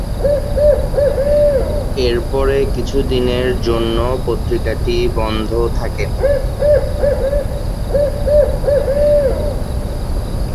এর পরে কিছুদিনের জন্য পত্রিকাটি বন্ধ থাকে।